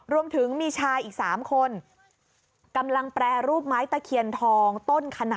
รวมถึงมีชายอีกสามคน